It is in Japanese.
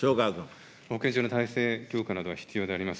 保健所の体制強化などは必要であります。